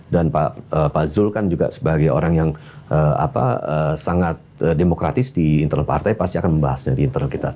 pak zul kan juga sebagai orang yang sangat demokratis di internal partai pasti akan membahasnya di internal kita